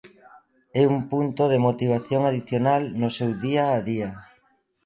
É un punto de motivación adicional no seu día a día.